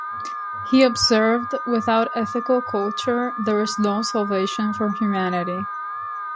He observed, Without 'ethical culture' there is no salvation for humanity.